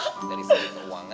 dan juga dari segi keuangan